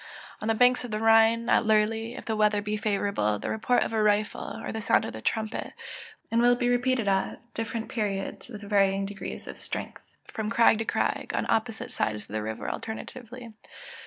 On the banks of the Rhine, at Lurley, if the weather be favourable, the report of a rifle, or the sound of a trumpet, will be repeated at different periods, and with various degrees of strength, from crag to crag, on opposite sides of the river alternately.